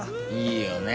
いいよね。